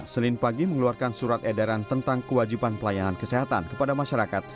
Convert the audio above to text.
senin pagi mengeluarkan surat edaran tentang kewajiban pelayanan kesehatan kepada masyarakat